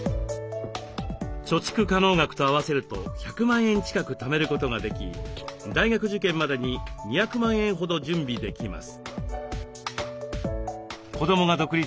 貯蓄可能額と合わせると１００万円近くためることができ大学受験までに２００万円ほど準備できます。